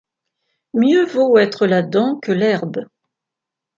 Mieux vaut être la dent que l’herbe.